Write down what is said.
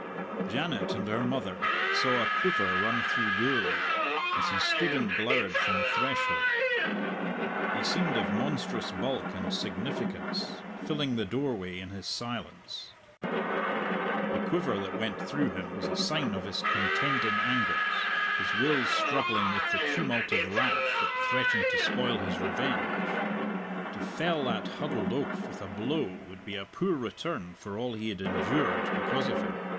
Janet and her mother saw a quiver run through Gourlay as he stood and glowered from the threshold. He seemed of monstrous bulk and significance, filling the doorway in his silence. The quiver that went through him was a sign of his contending angers, his will struggling with the tumult of wrath that threatened to spoil his revenge. To fell that huddled oaf with a blow would be a poor return for all he had endured because of him.